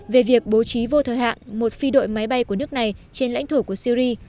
về việc bố trí vô thời hạn một phi đội máy bay của nước này trên lãnh thổ của syri